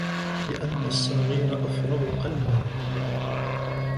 لِأَنَّ الصَّغِيرَ أَفْرَغُ قَلْبًا